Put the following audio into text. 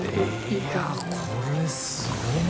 いやこれすごい。